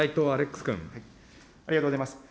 ありがとうございます。